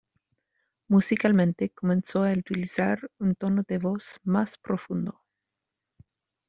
Musicalmente, comenzó a utilizar un tono de voz más profundo.